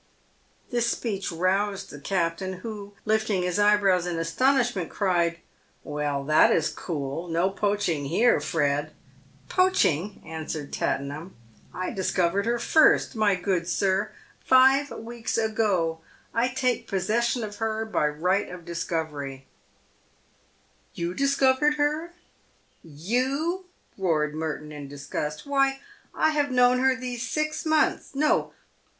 This speech roused the captain, who, lifting his eyebrows in asto nishment, cried, " Well, that is cool ! No poaching here, Fred." " Poaching !" answered Tattenham. " I discovered her first, my good sir, five weeks ago. I take possession of her by right of dis covery," " You discovered her — you ?" roared Merton, in disgust. " Why, I have known her these six months. No